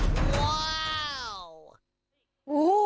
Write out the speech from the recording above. ว้าวโอ้โฮ